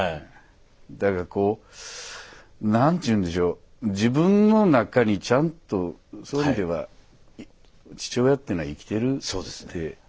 だからこう何ていうんでしょう自分の中にちゃんとそういう意味では父親っていうのは生きてるって。